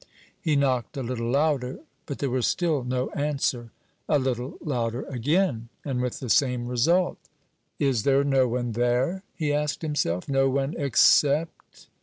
He knocked a little louder, but there was still no answer. A little louder again, and with the same result. "Is there no one there?" he asked himself. "No one, except